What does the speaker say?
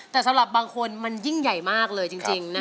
แต่สำหรับบางคนมันยิ่งใหญ่มากเลยจริงนะ